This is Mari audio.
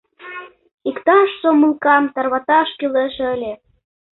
Иктаж сомылкам тарваташ кӱлеш ыле.